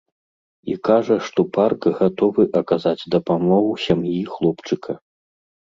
І кажа, што парк гатовы аказаць дапамогу сям'і хлопчыка.